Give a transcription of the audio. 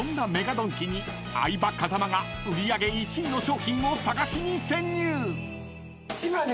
ドンキに相葉風間が売り上げ１位の商品を探しに潜入！］